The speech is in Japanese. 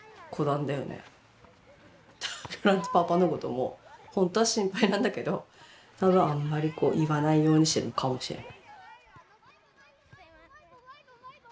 だからパパのことも本当は心配なんだけどただあんまり言わないようにしてるのかもしれない。